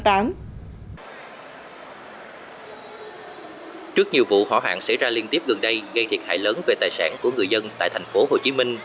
trước nhiều vụ hỏa hạn xảy ra liên tiếp gần đây gây thiệt hại lớn về tài sản của người dân tại tp hcm